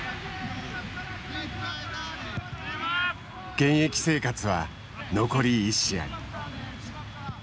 現役生活は残り１試合。